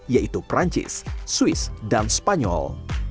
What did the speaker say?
yaitu perancis swiss dan spanyol